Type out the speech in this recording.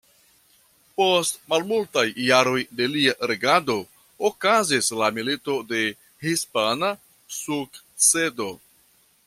Post malmultaj jaroj de lia regado okazis la Milito de hispana sukcedo.